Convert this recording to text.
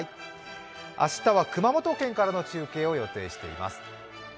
明日は熊本県からの中継を予定しています。